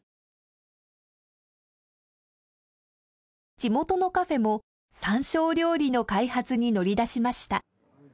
地元のカフェもサンショウ料理の開発に乗り出しました。